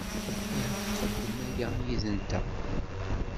Ahat txedmem aya yid-nteɣ.